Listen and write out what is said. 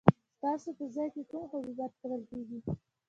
ستاسو په ځای کې کوم حبوبات کرل کیږي؟